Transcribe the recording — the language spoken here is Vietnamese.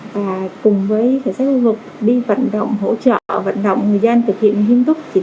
và cùng với khởi sách hưu hục đi vận động hỗ trợ vận động người dân thực hiện nghiêm túc chỉ tiệm một mươi sáu